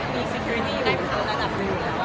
มีอาวุธเหมือนไม่พอ